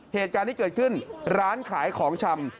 เหตุการณ์ที่เกิดขึ้นร้านขายของชำ